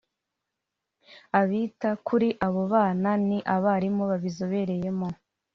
Abita kuri abo bana ni Abarimu babizobereyemo